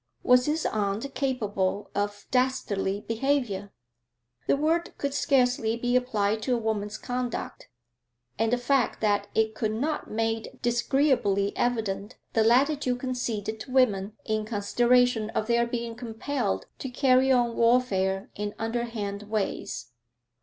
Was his aunt capable of dastardly behaviour? The word could scarcely be applied to a woman's conduct, and the fact that it could not made disagreeably evident the latitude conceded to women in consideration of their being compelled to carry on warfare in underhand ways.